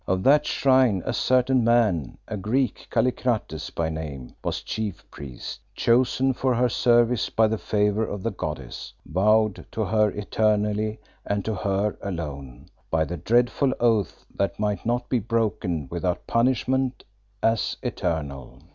Of that shrine a certain man, a Greek, Kallikrates by name, was chief priest, chosen for her service by the favour of the goddess, vowed to her eternally and to her alone, by the dreadful oath that might not be broken without punishment as eternal.